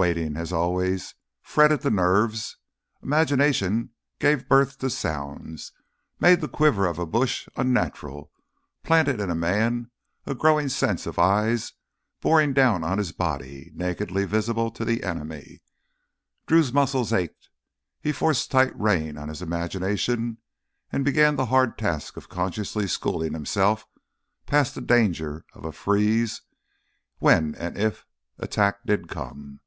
Waiting, as always, fretted the nerves. Imagination gave birth to sounds, made the quiver of a bush unnatural, planted in a man a growing sense of eyes boring down on his body, nakedly visible to the enemy. Drew's muscles ached. He forced tight rein on his imagination and began the hard task of consciously schooling himself past the danger of a freeze when and if attack did come.